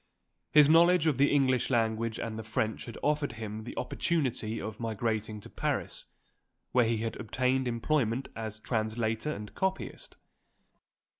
His knowledge of the English language and the French had offered him the opportunity of migrating to Paris, where he had obtained employment as translator and copyist.